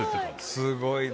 すごいな！